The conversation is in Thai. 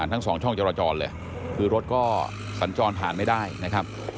ทั้งสองช่องจราจรเลยคือรถก็สัญจรผ่านไม่ได้นะครับ